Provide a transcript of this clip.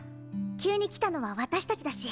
急に来たのは私たちだし。